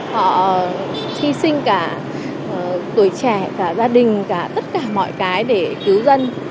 họ hy sinh cả tuổi trẻ cả gia đình cả tất cả mọi cái để cứu dân